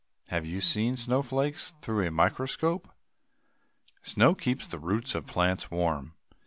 Have you ever seen snowflakes through a microscope? Snow keeps the roots of plants warm.